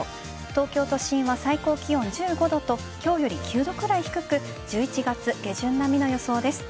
東京都心は最高気温１５度と今日より９度くらい低く１１月下旬並みの予想です。